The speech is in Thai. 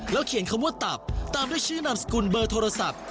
เขียนคำว่าตับตามด้วยชื่อนามสกุลเบอร์โทรศัพท์